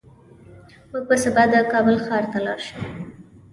موږ به سبا د کابل ښار ته لاړ شو